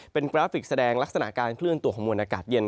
เป็นกราฟิกแสดงลักษณะการเคลื่อนตัวของมวลอากาศเย็น